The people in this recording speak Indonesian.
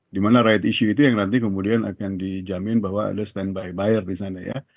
dimana right issue itu yang nanti kemudian akan dijamin bahwa ada standby buyer di sana ya